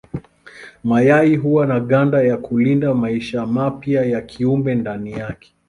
Mayai huwa na ganda ya kulinda maisha mapya ya kiumbe ndani yake.